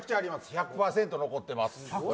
１００％残ってます。